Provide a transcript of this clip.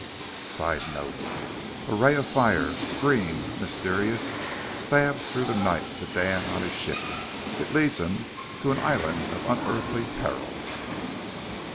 _] [Sidenote: A ray of fire, green, mysterious, stabs through the night to Dan on his ship. It leads him to an island of unearthly peril.